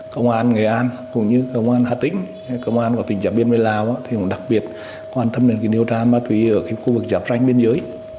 công an nghệ an cũng như công an hà tĩnh công an của tỉnh giảm biên với lào đặc biệt quan tâm đến điều tra ma túy ở khu vực giảm tranh biên giới